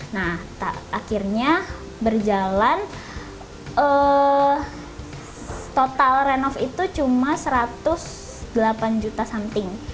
nah akhirnya berjalan total renov itu cuma satu ratus delapan juta something